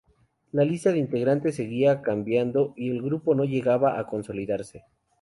La lista de integrantes seguía cambiando y el grupo no llegaba a consolidarse.